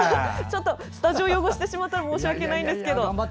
スタジオ汚してしまったら申し訳ないんですが。